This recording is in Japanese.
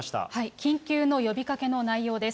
緊急の呼びかけの内容です。